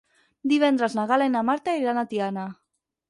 Divendres na Gal·la i na Marta iran a Tiana.